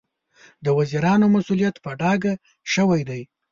د وزیرانو مسوولیت په ډاګه شوی دی.